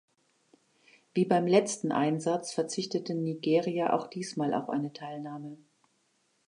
Wie beim letzten Einsatz verzichtete Nigeria auch diesmal auf eine Teilnahme.